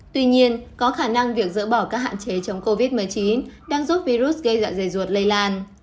tuy nhiên có khả năng việc dỡ bỏ các hạn chế trong covid một mươi chín đang giúp virus gây dạ dày ruột lây lan